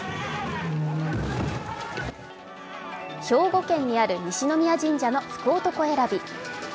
兵庫県にある西宮神社の福男選び。